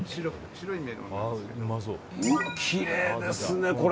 きれいですね、これ。